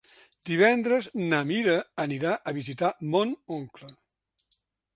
Dimecres na Mira anirà a visitar mon oncle.